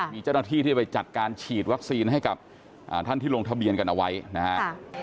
มีเจ้าหน้าที่ที่ไปจัดการฉีดวัคซีนให้กับท่านที่ลงทะเบียนกันเอาไว้นะครับ